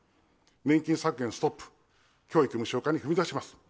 年金削減ストップ、教育の無償化に踏み出します。